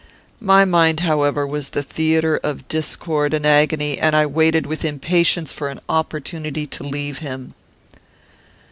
My mind, however, was the theatre of discord and agony, and I waited with impatience for an opportunity to leave him.